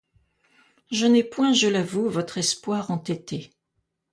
Je n'ai point, je l'avoue, votre espoir entêté.